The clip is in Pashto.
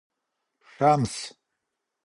شمس